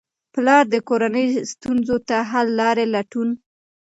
پلار د کورنۍ ستونزو ته حل لارې لټوي.